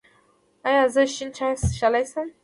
ایا زه شین چای څښلی شم؟